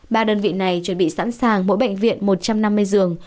ba đơn vị này chuẩn bị sẵn sàng mỗi bệnh viện một trăm năm mươi giường